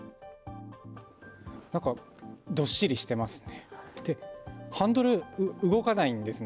なんかどっしりしてますね。